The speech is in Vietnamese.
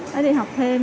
nó đi học thêm